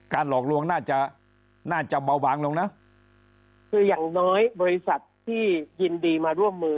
หลอกลวงน่าจะน่าจะเบาบางลงนะคืออย่างน้อยบริษัทที่ยินดีมาร่วมมือ